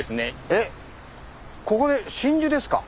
えっここで真珠ですか？